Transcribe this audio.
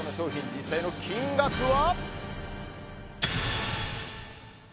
実際の金額は？